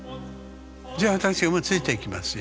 じゃあ私もついて行きますよ。